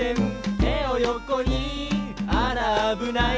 「てをよこにあらあぶない」